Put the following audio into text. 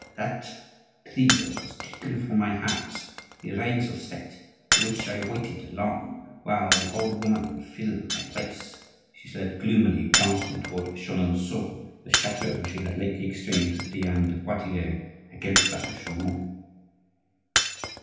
"That trio has taken from my hands the reins of State, for which I waited long while the old woman filled my place," she said gloomily, glancing toward Chenonceaux, the chateau she had lately exchanged with Diane de Poitiers against that of Chaumont.